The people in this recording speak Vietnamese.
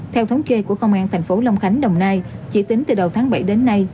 theo thống kê của công an thành phố long khánh đồng nai chỉ tính từ đầu tháng bảy đến nay